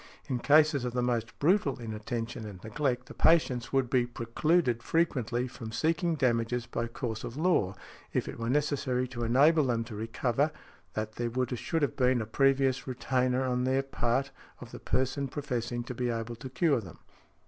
In cases of the most brutal inattention and neglect, the patients would be precluded frequently from seeking damages by course of law, if it were necessary to enable them to recover, that there should have been a previous retainer, on their part, of the person professing to be able to cure them.